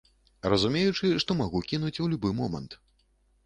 Разумеючы, што магу кінуць у любы момант.